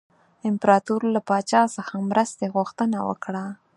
امپراطور له پاچا څخه د مرستې غوښتنه وکړه.